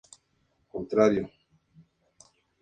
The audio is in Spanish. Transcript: Originalmente era servido en un vaso de coctel.